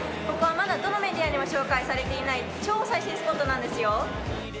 ここはまだどのメディアにも紹介されていない超最新スポットなんですよ